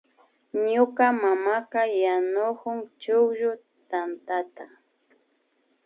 Ñuka mama yanukun chukllu tantata